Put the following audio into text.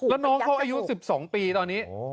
อายุ๑๒ปีตอนนี้